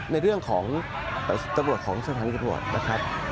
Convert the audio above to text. ในเรื่องของตำรวจของชนะทางกระโบร์ด